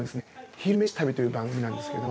「昼めし旅」という番組なんですけれども。